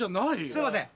すいません